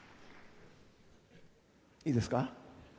いいですか？